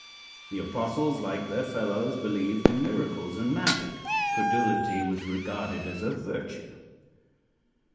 The apostles, like their fellows, believed in miracles and magic. Credulity was regarded as a virtue.